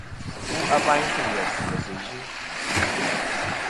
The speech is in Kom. Fu abayn sɨ̂ ghès ghèsɨ̀ yɨ.